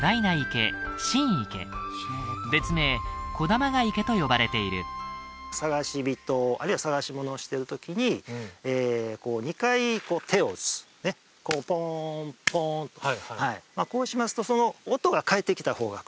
池と呼ばれている探し人あるいは探し物をしてる時に２回こう手を打つねっこうポーンポーンとこうしますとその音が返ってきた方角